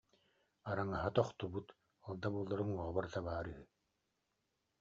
Араҥаһа тохтубут, ол да буоллар уҥуоҕа барыта баар үһү